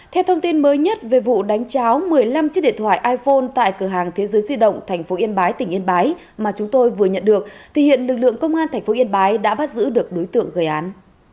theo thông tin mới nhất về vụ đánh cháo một mươi năm chiếc điện thoại iphone tại cửa hàng thế giới di động tp yên bái tỉnh yên bái mà chúng tôi vừa nhận được thì hiện lực lượng công an tp yên bái đã bắt giữ được đối tượng gây án